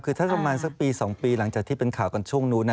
คือถ้าประมาณสักปี๒ปีหลังจากที่เป็นข่าวกันช่วงนู้น